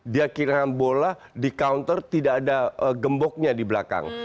dia kiram bola di counter tidak ada gemboknya di belakang